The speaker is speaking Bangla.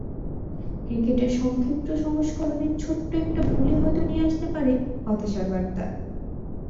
ক্রিকেটের সংক্ষিপ্ত সংস্করণে ছোট্ট একটা ভুলই হয়তো নিয়ে আসতে পারে হতাশার বার্তা।